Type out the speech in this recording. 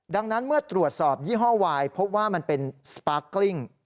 ดังนั้นเมื่อตรวจสอบยี่ห้อวายพบว่ามันเป็นสปาร์คกลิ้ง